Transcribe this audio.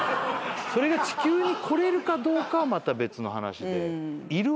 それが地球に来られるかどうかはまた別の話。